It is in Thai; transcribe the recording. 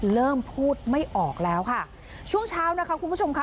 เริ่มพูดไม่ออกแล้วค่ะช่วงเช้านะคะคุณผู้ชมค่ะ